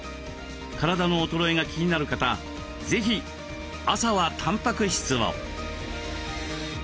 体の衰えが気になる方是非朝はたんぱく質を。